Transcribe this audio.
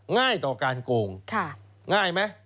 ง่ายต่อการโกงง่ายไหม